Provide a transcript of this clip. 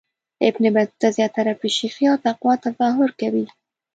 ابن بطوطه زیاتره په شیخی او تقوا تظاهر کوي.